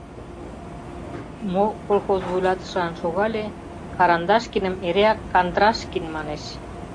Мо колхоз вуйлатышылан шогале, Карандашкиным эреак «Кандрашкин» манеш.